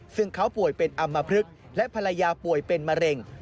ซึ่งเขาป่วยเป็นอำมพลึกและภรรยาป่วยเป็นมะเร็ง